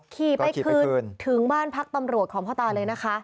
ขี่ไปคืนถึงบ้านพักตำรวจของพ่อตาเลยนะคะ